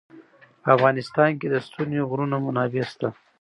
په افغانستان کې د ستوني غرونه منابع شته.